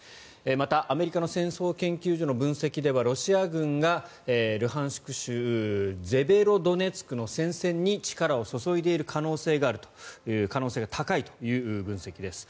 また、アメリカの戦争研究所の分析ではロシア軍がルハンシク州セベロドネツクの戦線に力を注いでいる可能性が高いという分析です。